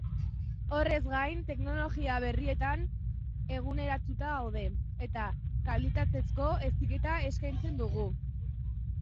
Horrez gain, teknologia berrietan eguneratuta gaude, eta kalitatezko heziketa eskaintzen dugu.